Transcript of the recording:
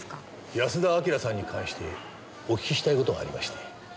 安田章さんに関してお聞きしたい事がありまして。